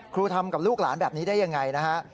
ครูทำกับลูกหลานแบบนี้ได้อย่างไรนะครับ